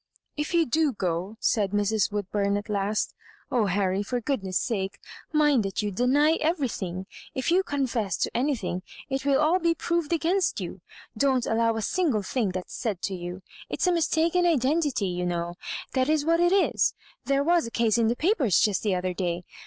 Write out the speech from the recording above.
"If you do go," said Mrs. "Woodburn ai last, " oh, Harry, for goodness' sake, mind that you deny everything. If you confess to anything it will all be proved against you; don't allow a single thing that's said to you. It's a mistaken identity, you know — ^that is what it is; there was a case in the papers just the other day.